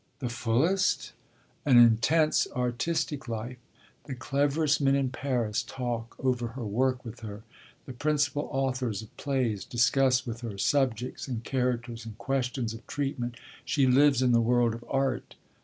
"The fullest?" "An intense artistic life. The cleverest men in Paris talk over her work with her; the principal authors of plays discuss with her subjects and characters and questions of treatment. She lives in the world of art."